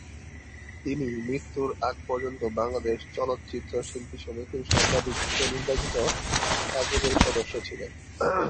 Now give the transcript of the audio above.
তিনি মৃত্যুর আগ পর্যন্ত বাংলাদেশ চলচ্চিত্র শিল্পী সমিতির সর্বাধিক ভোটে নির্বাচিত কার্যকারী সদস্য ছিলেন।